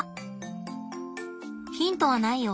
ヒントはないよ。